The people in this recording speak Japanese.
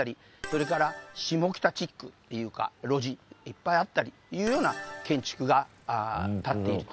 それから下北チックっていうか路地いっぱいあったりっていうような建築が建っていると。